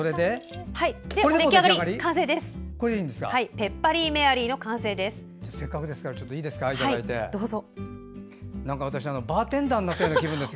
ペッパリーメアリーの完成です。